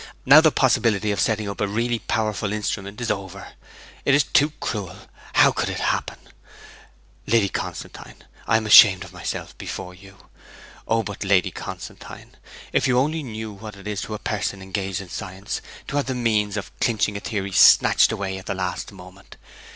Now the possibility of setting up a really powerful instrument is over! It is too cruel how could it happen! ... Lady Constantine, I am ashamed of myself, before you. Oh, but, Lady Constantine, if you only knew what it is to a person engaged in science to have the means of clinching a theory snatched away at the last moment!